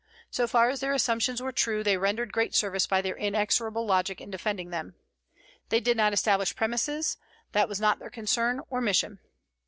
So far as their assumptions were true, they rendered great service by their inexorable logic in defending them. They did not establish premises; that was not their concern or mission.